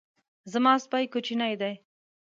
زما سپی کوچنی دی